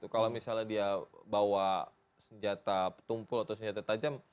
kalau misalnya dia bawa senjata tumpul atau senjata tajam